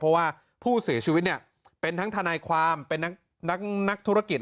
เพราะว่าผู้เสียชีวิตเนี่ยเป็นทั้งทนายความเป็นนักธุรกิจ